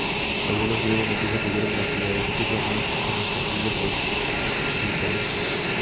Algunos griegos nativos huyeron al ciudades, islas más inaccesibles o a Italia.